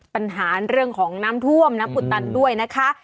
ปัญหาเรื่องของน้ำท่วมน้ำอุดตันด้วยนะคะ